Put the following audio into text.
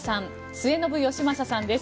末延吉正さんです。